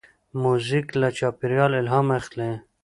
موزیک له چاپېریال الهام اخلي.